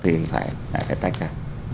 thì phải tách ra